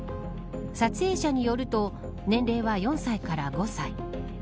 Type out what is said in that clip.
撮影者によると年齢は４歳から５歳。